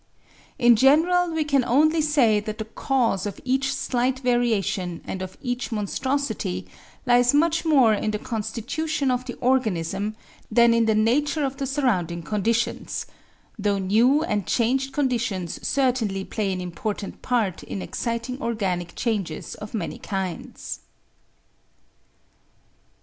In general we can only say that the cause of each slight variation and of each monstrosity lies much more in the constitution of the organism, than in the nature of the surrounding conditions; though new and changed conditions certainly play an important part in exciting organic changes of many kinds.